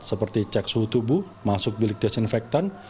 seperti cek suhu tubuh masuk bilik desinfektan